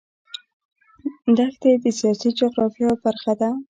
دښتې د سیاسي جغرافیه یوه برخه ده.